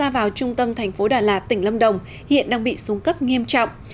vào trung tâm thành phố đà lạt tỉnh lâm đồng hiện đang bị xuống cấp nghiêm trọng